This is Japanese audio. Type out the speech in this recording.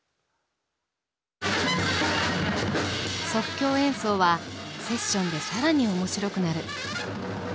即興演奏はセッションで更に面白くなる。